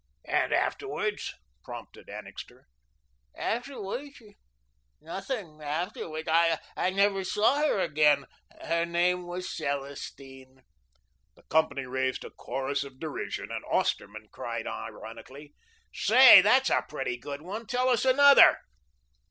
"And afterwards?" prompted Annixter. "Afterwards? Nothing afterwards. I never saw her again. Her name was Celestine." The company raised a chorus of derision, and Osterman cried ironically: "Say! THAT'S a pretty good one! Tell us another."